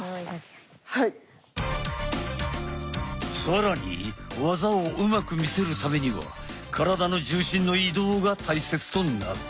更に技をうまく見せるためには体の重心の移動が大切となる。